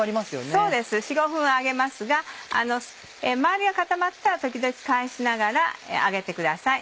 そうです４５分揚げますが周りが固まったら時々返しながら揚げてください。